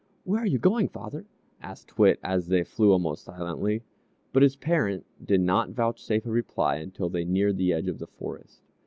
"Where are you going, father?" asked T'wit as they flew along silently; but his parent did not vouchsafe a reply until they neared the edge of the forest.